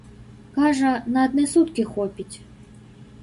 Кажа, на адны суткі хопіць.